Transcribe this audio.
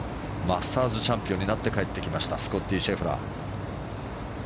マスターズチャンピオンになって帰ってきましたスコッティ・シェフラー。